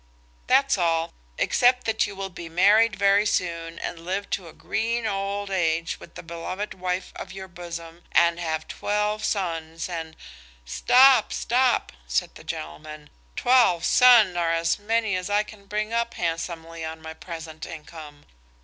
That's all, except that you will be married very soon and live to a green old age with the beloved wife of your bosom, and have twelve sons and–" "Stop, stop!" said the gentleman; "twelve sons are as many as I can bring up handsomely on my present income.